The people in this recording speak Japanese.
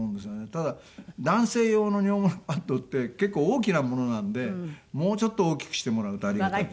ただ男性用の尿漏れパッドって結構大きなものなのでもうちょっと大きくしてもらうとありがたい。